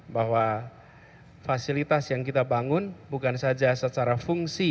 bahwa fasilitas yang kita bangun bukan saja secara fungsi